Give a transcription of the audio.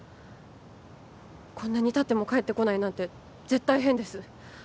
こんなにたっても帰ってこないなんて絶対変です